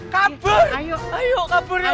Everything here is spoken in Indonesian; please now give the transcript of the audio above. kabur ayo kabur yuk